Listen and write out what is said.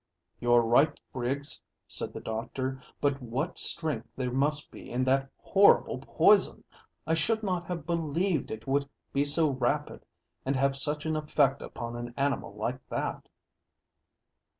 "You're right, Griggs," said the doctor. "But what strength there must be in that horrible poison! I should not have believed it would be so rapid and have such an effect upon an animal like that."